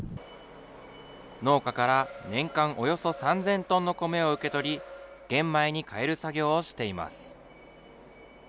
農家から年間およそ３０００トンの米を受け取り、玄米に変える作業をしています。